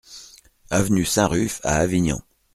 Avenue Saint-Ruf à Avignon